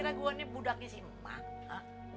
emangnya lo kira gue ini budaknya sih makna